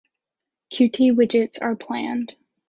Qt widgets are planned.